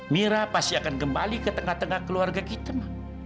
mira pasti akan kembali ke tengah tengah keluarga kita